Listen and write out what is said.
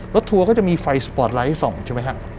รถทัวก็จะมีไฟสปอร์ตไลท์ให้ส่งใช่ไหมฮะ